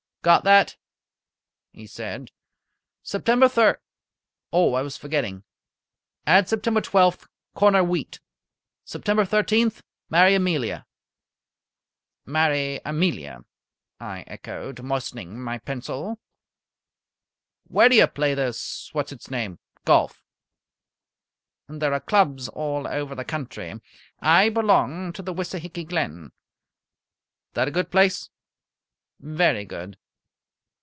"Got that?" he said. "September thir Oh, I was forgetting! Add September twelfth, corner wheat. September thirteenth, marry Amelia." "Marry Amelia," I echoed, moistening my pencil. "Where do you play this what's its name golf?" "There are clubs all over the country. I belong to the Wissahicky Glen." "That a good place?" "Very good."